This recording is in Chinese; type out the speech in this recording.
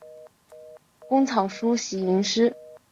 工草书喜吟诗。